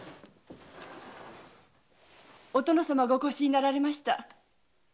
お殿様がお越しになられました。